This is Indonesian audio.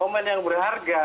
momen yang berharga